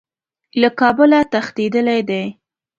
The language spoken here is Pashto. له کابله تښتېدلی دی.